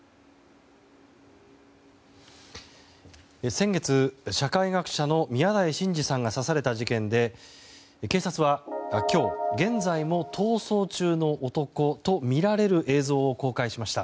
先月、社会学者の宮台真司さんが刺された事件で警察は今日現在も逃走中の男とみられる映像を公開しました。